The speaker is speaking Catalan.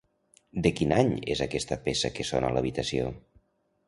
De quin any és aquesta peça que sona a l'habitació?